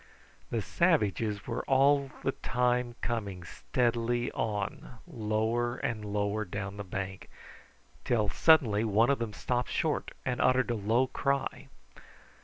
The savages were all the time coming steadily on lower and lower down the bank, till suddenly one of them stopped short and uttered a low cry.